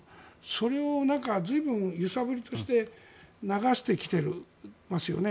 それを随分、揺さぶりとして流してきていますよね。